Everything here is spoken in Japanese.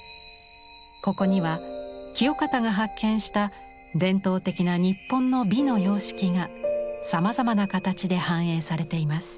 ここには清方が発見した伝統的な日本の美の様式がさまざまな形で反映されています。